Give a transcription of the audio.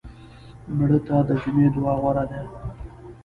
مړه ته د جمعې دعا غوره ده